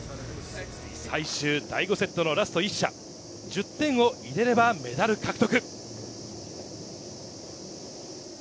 最終第５セットのラスト１射、１０点を入れればメダル獲得。